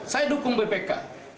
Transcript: saya dukung bpk